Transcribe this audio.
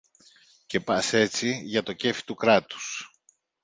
Και πας έτσι, για το κέφι του Κράτους